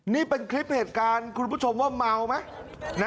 นี่เป็นคลิปเหตุการณ์คุณผู้ชมว่าเมาไหม